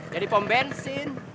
ya di pom bensin